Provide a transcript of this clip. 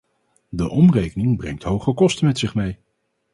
De omrekening brengt hoge kosten met zich mee.